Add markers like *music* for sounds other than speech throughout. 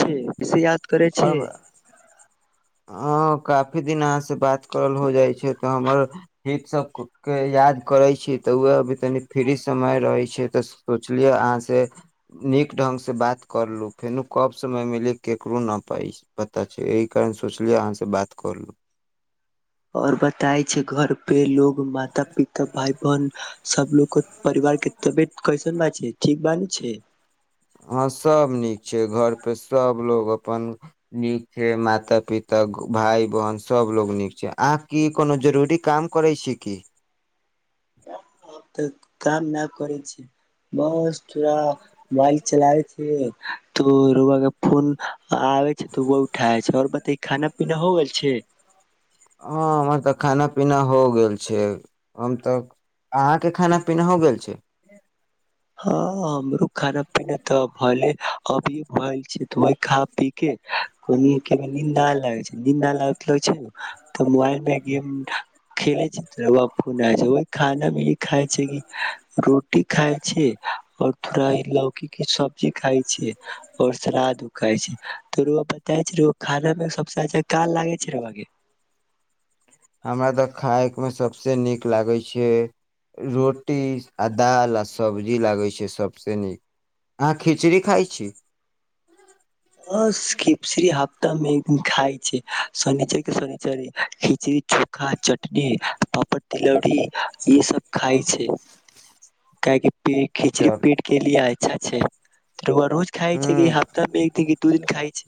ठीक केसे याद करै छिय ह काफी दिन अहाँसँ बात करल हो जाइ छै तऽ हमर हित सब के याद करै छी तऽ उह अभी तनी फ्री समय रहै छै तऽ सोचलियै अहाँ से नीक ढंगग से बात कर लू फेर कब समय मिली ककरो न प पता छै नि सोचलियै अहाँसँ बात करऽ लू आओर बताए छै घर पे लोग माता पिता भाइ बहन सबलोग को परिवार के तबियत कैसन बा छै ठीक बान छै हँ सभ नीक छै घरपे सभलोग अपन नीक छै माता पिता भाय बहिन सभलो नीक छै अहाँ की कोनो जरूरी काम करै छी की तऽ काम न करै छिय बस थोरा मोबाइल चलाबैत ह तऽ रोबा के फोन आबै छै तऽ बहुठए छै आओर ब तऽ ई खाना पीना हो गेल छै हँ हमर तऽ खाना पीना हो गेल छै हम तऽ अहाँके खाना पीना हो गेल छै हँ हमरो खाना पीना तऽ भ अभी भ छै तऽ ओहि खा पी के को नीन्दा ल निन्दा लागतल छै तऽ मोबाइल मे गेम खेले रौआ *unintelligible* खाना मे ई खााय छै रोटी खााय छै और फ्राई लौकी के सब्जी खाय छै और सलाद उ खाय छै तोर बताे छै खाय मे सबसे अच्छा का लागे छै रउआ के हमरा तऽ खायमे सबसे नीक लागै छै रोटी आ दाल आ सब्जी लागै छै सबसे नीक अहाँ खिचड़ी खाई छी खिचरी हफ्ता मे एक दिन खाय छै शनिचर के शनिचल खिचड़ी चोखा चटनी पापड़ तिलौरी ई सब खाय छै काहे की पे खिचड़ी चल पेट केलिए अच्छा छै रउआ रोज खाई छै कि ह हफ्तामे एक दिन दू खाई छै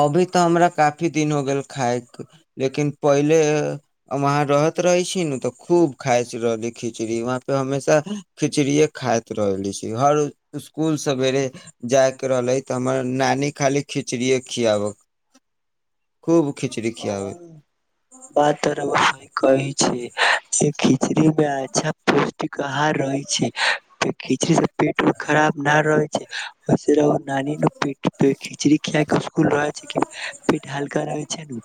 अभी तऽ हमरा काफी दिन हो गेल खायके लेकिन पहिले वहाँ रहैत रहै छी नु तऽ खूब खाइत रहली खिचड़ी वहाँ पे हमेशा खिचड़ीए खाइत रहली छी हर स्कुल सवेरे जायके रहले तऽ हमर नानी खाली खिचड़ीे खीया बक खूब खिचड़ी खियाबै *unintelligible* खिचड़ी मे अच्छा पौष्टिक आहार रहै छै खिचड़ी से पेट खराब न रहे छै वैसे राउर *unintelligible* पेट हल्का रहै छै नु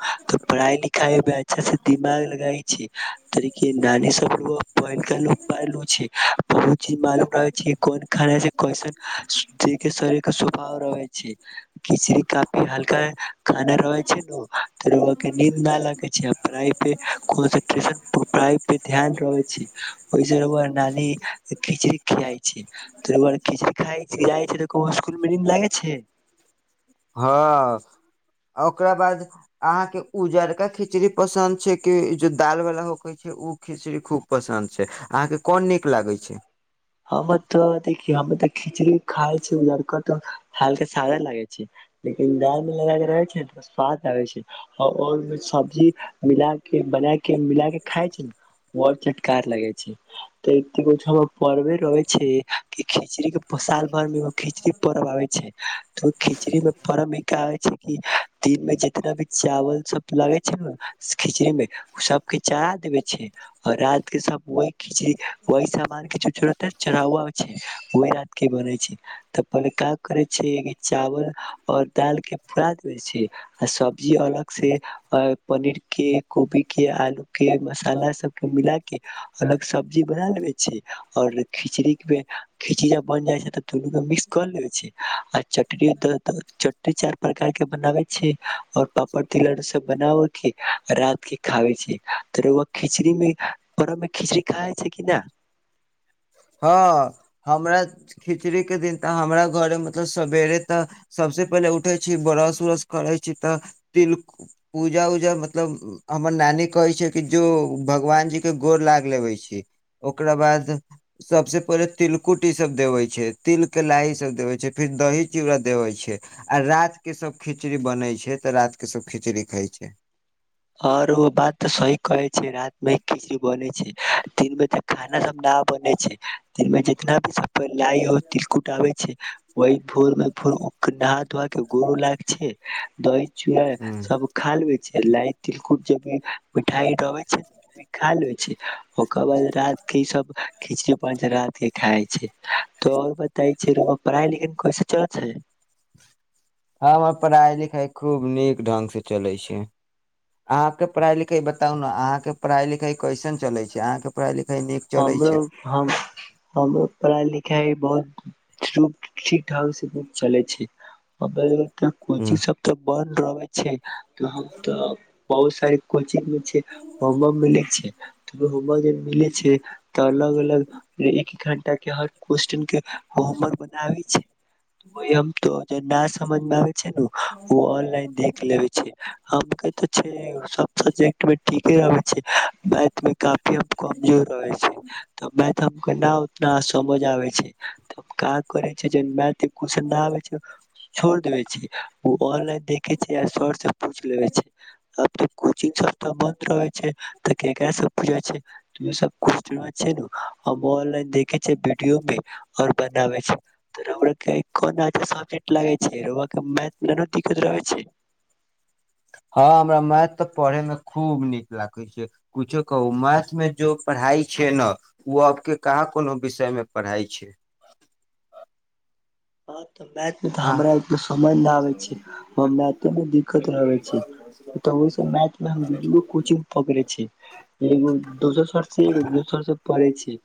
पढ़ाई लिखाई मे अच्छा से दिमाग लगाई छै त देखी यै नानी सब प पल छै *unintelligible* बहुत चीज मालूम रहै छै कोन खाना छै कैसन देख के शरीर के स्वभाव रहै छै खिचड़ी का हल्का खाना रहै छे नु *unintelligible* हँ ओकरा बाद अहाँके उजरका खिचड़ी पसन्द छै कि जे दालवला होकै छै ओ खिचड़ी खूब पसन्द छै अहाँके कोन नीक लागै छै हमर तऽ देखि हमे तऽ खिचड़ी खाय छै लड़को तऽ हालके सादा लागे छै लेकिन दाल मे लगा के रहे छै स्वाद लगे छैर सब्जी मिल के बना के मिल के खाय छै ने ब चटकार लगै छै *unintelligible* *unintelligible* *unintelligible* हँ हमरा खिचड़ीके दिन तऽ हमरा घरे मतलब सवेरे तऽ सबसे पहिले उठै छी ब्रश उरश करै छी तऽ तिल पूजा उजा मतलब हमर नानी कहै छै कि जो भगवान जीके गोर लाग लेबै छी ओकरा बाद सबसे पहिले तिलकुटी इसब देबै छै तिलके लाही सब देबै छै फेर दही चिड़ा देबै छै आ रातके सब खिचड़ी बनै छै तऽ रातके सब खिचड़ी खाई छै ओर ओ बात तऽ सही कहै छै रात मे खसी बने छै दिन मे त खाना सब न बने छै दिन मे जितना भी सब गाइ ओ तिलकुट आबै छै ओहि भोर मे भोर नहा धोआ के गोरो लाग छै द दही चुड़ा सब खा लियै छलै तिलकुट जे भी मिठाईठबै छै ने ओ भी खा लै छै ओकर बाद रात के सब खिचड़ी प रात के खाइ छै तऽ र‌उआ बताय छै पढ़ाई लिखाई कैसन चलै छै हाँ हमर पढ़ाई लिखाई खूब नीक ढंग से चलै छी अहाँ के पढ़ाई लिखाई बताउ ने अहाॅं के पढ़ाई लिखाई कैसन चलै छै अहाँ के पढ़ाई लिखाई नीक चलै हमरो छै हमरो पढ़ाई लिखा आई बहुत ठीक ठाक से चलै छै त हूँ कोचिंग सब तऽ बड़ लगै छै तऽ हम तऽ बहुत सारे कोचिंग बम बम मिलै छै त बजै मिले छै तऽ अलग अलग एक घण्टाके हर कोश्चन के होमवर्क बनाबै छै वही हम तऽ जे समझ मे ना आबै छै ओ ऑनलाइन देख लेबे छै हम क जे छै सब के टुवेन्टी *unintelligible* अबै छै बैंक में काम *unintelligible* के कमजोर रहै छै तऽ मै त हम कह न उतना समझ क करै छै जे मैथिली कोश्चन ना आबय छोड़ देब जी ओ ऑनलाइन देखे छै आ सर से पूछ लेबे छै कोचिंग सब बन्द रहे छै तऽ केकरा सब स पु छै जाय छै इ सब ऑनलाइन देखैय छै विडियो पे आओर बनाबै छै राउरा के कोन आसान लागैय छै राउरा के मैथ दिककत नहि न राखैत छै हँ हमरा मैथ तऽ पढ़ैमे खूब नीक लागै छै कुछो कहू मैथ मे जो पढ़ाइ छै ने ओ आबके कहाँ कोनो विषयमे पढ़ाइ छै हँ मैथ में त आ हमरा एत समझ न आबे छै मैथ मे दिक्कत रहै छै मैथ मे हम दू दूगो कोचिंग पकड़ै छै एगो दोसर सर से एगो विवेक सर से पढै छी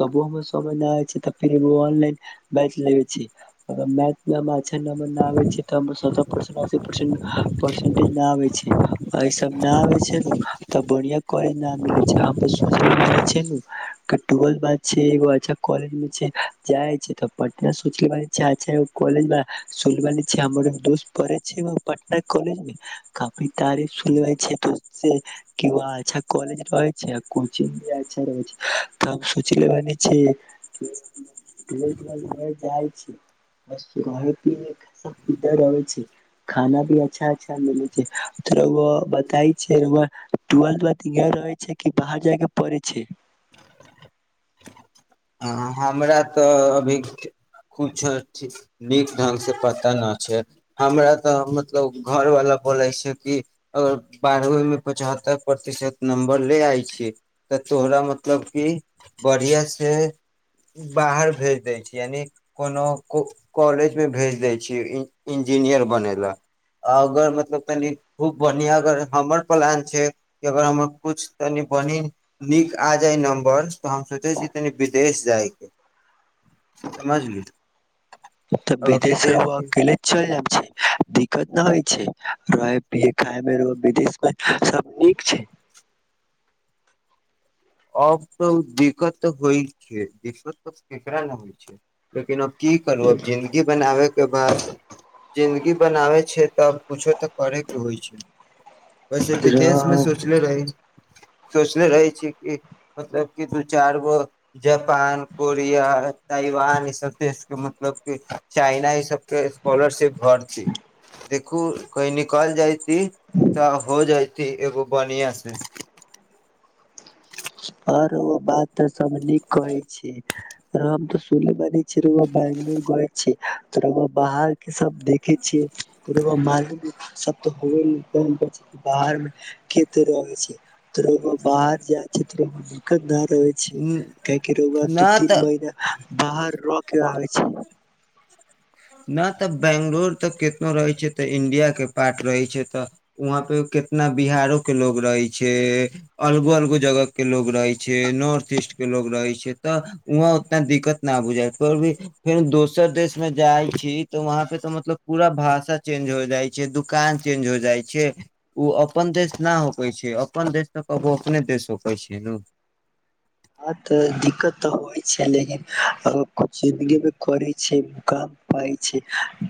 तब ओ मे समझ नहि आय छै त फेर ऑनलाइन बैच लेबे छी मैथ अच्छा नंबर न आब छै त सतर परसेंट अस्सी परसेंटज आबै छै सब न आबै छै नु छै तऽ बढ़िया कॉलेज न मिले छै सोचले बाली छै नु टुवेल्थ बात छै एगो अच्छा कॉलेज मे छै जाय छै त पटना सोचले ब अच्छागो कॉलेज मे सुनने बानि छी हमरो दोस्त पढै छै पटना कॉलेज मे काफी तारीफ सुनै छै दोस्त से अच्छा कॉलेज रहै छै आ अच्छा कोचिंग भी रहै छै त सोचने बानी छी। हम टुवेल्थ लऽ जाय छी बस रहधर रहै छै खाना भी अच्छा अच्छा मिलै छै रउआ बताय छै र‌उआ टूवेल्थ भरि रहै छै कि बाहर जाय पड़ै छै हमरा तऽ अभी किछो नीक ढङ्गसँ पता न छै हमरा तऽ मतलब घरवला बोलै छै कि अगर बारहवीमे पचहत्तरि प्रतिशत नम्बर ले आइ छि तऽ तोरा मतलब कि बढ़िआसँ बाहर भेज दै छी यानि कोनो कॉलेजमे भेज दै छी इंजीनियर बनै ल अगर मतलब तनि खूब बढ़िआँ अगर हमर प्लान छै कि अगर हमर कुछ तनि बढ़ नीक आ जाइ नम्बर तऽ हम सोचैय छी तनी बिदेश जाय के समझली तऽ विदेश रह अके चल जाब छै दिक्कत न होइ खाय मे विदेश मे सब नीक छै। अब तऽ दिक्कत तऽ होइ छै। दिक्कत तऽ केकरा ने होइ छै लेकिन अब की करू आब जिंन्दगी बनाबे, के बाद जिन्दगी बनाबै छै। तब कुछो तऽ करे के होइ छै। वैसे विदेशमें रह सोचनेे रहि, सोचने रहै छी। मतलब क दू चारि गो जापान कोरिया, ताइवान ई सब देश के मतलब क चाइना ई सब के स्कॉलरशिप भरति देखू की न कहि निकल हल जाय तऽ हो जाइतथि एगो बानिय आस आर ओ बात तऽ सब न कहै छै। हम त सुल बनेै छी बंगलो गए छी, त बाहर के सब देखे छ मालू सब बाहर मे कते रहै छै। बाहर जा दिककतदार र छै न काएके रोवा दू ती तऽ महिना, बाहर र के आबै छै। न तऽ बंगलोर तऽ केितनो रहै छै। तऽ इंडिया के पार्ट रहे छै। तऽ वहां पे कितना बिहारो के लोग रहे छै। अलगो अलगो जगह के लोग रहे छै। नॉर्थ ईस्ट के लोग रहे छै। तऽ वहााँ उतना दिक्कत न बुझा फे भी फेर दोसर देश मे जाइ छी तऽ वहााँ पे तऽ मतलब पूरा भाषा चेंज हो जाइ छै। दुकान चेंज हो जाइ छै। ओ अपन देश न होपै छै। अपन देश तऽ कबो अपने देश होपै छै ने ह तऽ दिक्कत तऽ होइ छै। लेकिन अगर कुछ जिंन्दगी मे करै छै। मुकाम पइ छै,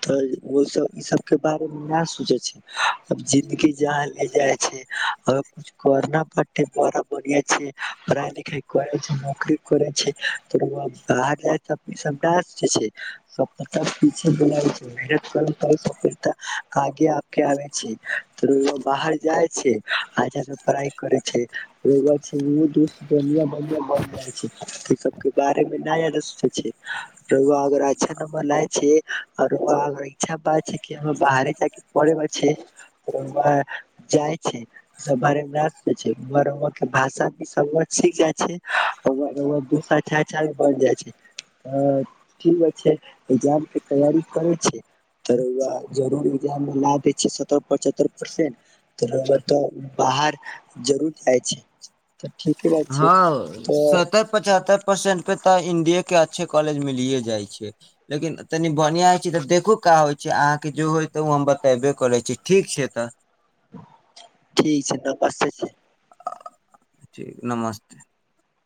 तऽ ओ सब इ सब के बारे मे न सोचे छै, जिदगी जहााँ ले जाइ छै अगर कुछ करना पड़े बड़ा बढ़िया छै। पढ़ाई लिखाई करैइ छ नोकरी करै छै *unintelligible* आगे आ आबे छै त बाहर जाइ छै पढ़इ कर छै *unintelligible* सब बारे मेा अच्छा नं्बर लाय छैर इच्छा बात छै बाहरे पे सब बारे मे के भाा सख छै राउआ दू बन जाइ छै त क हो छै ए्जाम के तैयारी करै छै त जरूर एजाम मे ला दै छै सतर पचत्तर परसेंट त तऽ बाहर जरूर जाइ छै। ठीके बात छै। हँ तऽ सत्तर पचहत्तर परसेंट पे तऽ इं्डिये के अच्छे कॉलेज मिलिए जाइ छैियै लेकिन तनि बढ़िआँ होइ छै। तऽ देखू का होइ छै। अहाँके जो होय तऽ ओ हम बतेबे करै छी ठीक छै। तऽ ठीक छै तऽ बसे छै। ठीक नमस्ते